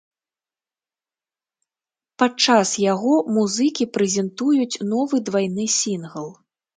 Падчас яго музыкі прэзентуюць новы двайны сінгл.